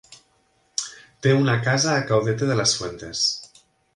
Té una casa a Caudete de las Fuentes.